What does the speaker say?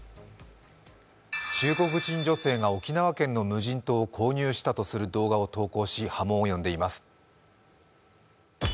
中国人女性が沖縄県の無人島を購入したとする動画を投稿し、波紋を呼んでいます。